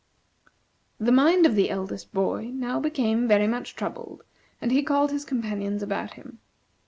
The mind of the eldest boy now became very much troubled, and he called his companions about him.